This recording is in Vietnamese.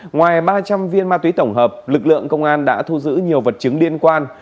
ngoài ba trăm linh viên ma túy tổng hợp lực lượng công an đã thu giữ nhiều vật chứng liên quan